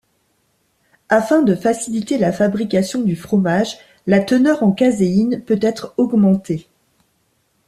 Afin de faciliter la fabrication du fromage, la teneur en caséine peut être augmentée.